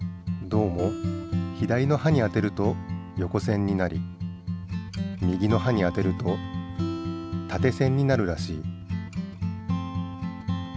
どうも左の刃に当てると横線になり右の刃に当てるとたて線になるらしい。